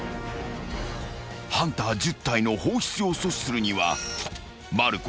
［ハンター１０体の放出を阻止するにはまる子。